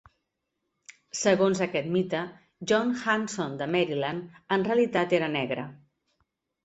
Segons aquest mite, John Hanson de Maryland en realitat era negre.